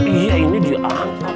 iya ini dia angkat